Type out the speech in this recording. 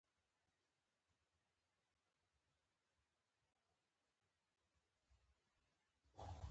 د مالدارۍ سکتور دودیز دی